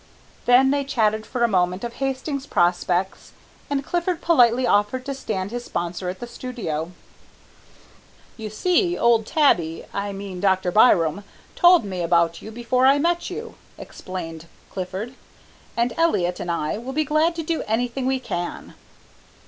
Then they chatted for a moment of Hastings' prospects, and Clifford politely offered to stand his sponsor at the studio. "You see, old tabby, I mean Dr. Byram, told me about you before I met you," explained Clifford, "and Elliott and I will be glad to do anything we can."